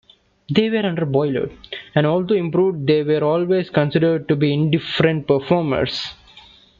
They were under-boilered and although improved they were always considered to be indifferent performers.